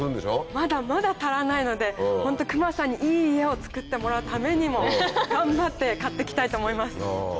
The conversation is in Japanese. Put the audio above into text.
まだまだ足らないのでホント隈さんにいい家を造ってもらうためにも頑張って刈ってきたいと思います。